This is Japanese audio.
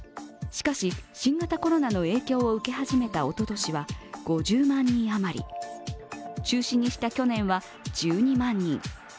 しかし、新型コロナの影響を受け始めたおととしは５０万人余り、中止にした去年は１２万人。